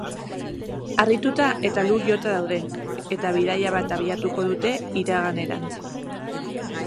Harrituta eta lur jota daude eta bidaia bat abiatuko dute iraganerantz.